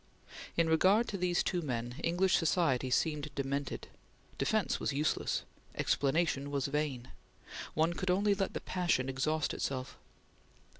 In regard to these two men, English society seemed demented. Defence was useless; explanation was vain; one could only let the passion exhaust itself.